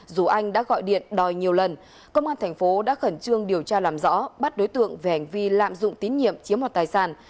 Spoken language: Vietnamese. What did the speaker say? dù anh đã gọi điện đòi nhiều lần công an thành phố đã khẩn trương điều tra làm rõ bắt đối tượng về hành vi lạm dụng tín nhiệm chiếm mọt tài sản